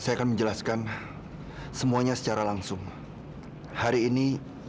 ami semua ke sini